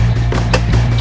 aku mau pergi ke rumah